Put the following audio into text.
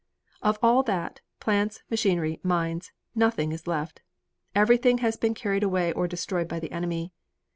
Of all that, plants, machinery, mines, nothing is left. Everything has been carried away or destroyed by the enemy.